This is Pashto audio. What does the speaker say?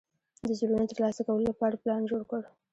د زړونو ترلاسه کولو لپاره پلان جوړ کړ.